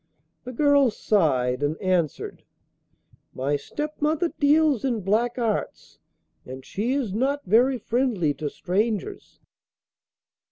The girl sighed and answered, 'My stepmother deals in black arts, and she is not very friendly to strangers.